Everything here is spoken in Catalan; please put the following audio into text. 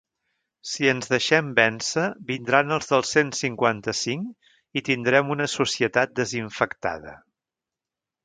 Si ens deixem vèncer vindran els del cent cinquanta-cinc i tindrem una societat desinfectada.